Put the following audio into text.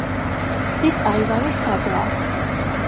ხის აივანი სადაა.